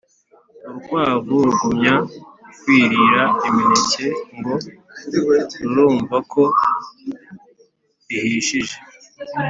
urukwavu Rugumya kwirira imineke ngo rurumva ko ihishije